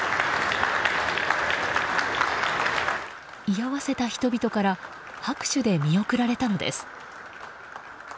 居合わせた人々から拍手で見送られたのです。